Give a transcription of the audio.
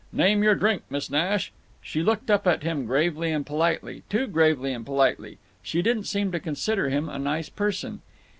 Name your drink, Miss Nash." She looked up at him, gravely and politely—too gravely and politely. She didn't seem to consider him a nice person.